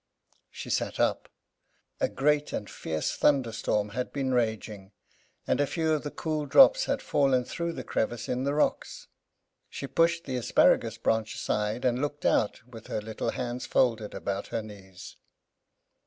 She sat up. A great and fierce thunderstorm had been raging, and a few of the cool drops had fallen through the crevice in the rocks. She pushed the asparagus branch aside, and looked out, with her little hands folded about her knees.